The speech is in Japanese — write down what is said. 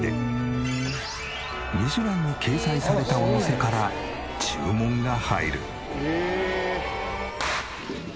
『ミシュラン』に掲載されたお店から注文が入る。